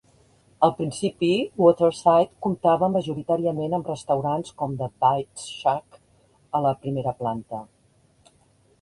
Al principi, Waterside comptava majoritàriament amb restaurants com The Baitshack a la primera planta.